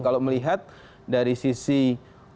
kalau melihat dari sisi ketidak governan